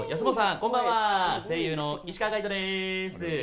こんばんは声優の石川界人です。